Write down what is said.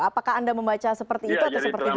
apakah anda membaca seperti itu atau seperti apa